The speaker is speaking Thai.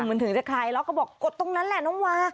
เหมือนถึงจะคลายล็อกก็บอกกดตรงนั้นแหละน้องวา